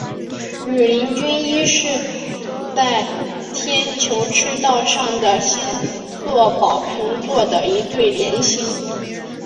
羽林军一是在天球赤道上的星座宝瓶座的一对联星。